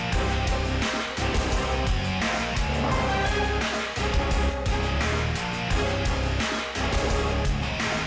สวัสดีครับ